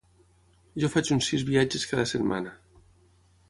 Jo faig uns sis viatges cada setmana.